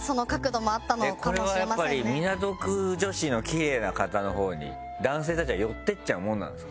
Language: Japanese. これはやっぱり港区女子のキレイな方のほうに男性たちは寄っていっちゃうものなんですか？